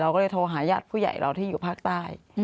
ก็เลยโทรหาญาติผู้ใหญ่เราที่อยู่ภาคใต้